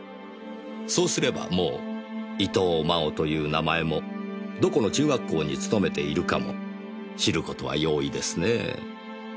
そうすればもう伊藤真央という名前もどこの中学校に勤めているかも知る事は容易ですねぇ。